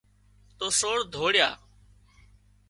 تو سور ڌوڙيا